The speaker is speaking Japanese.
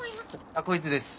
あっこいつです。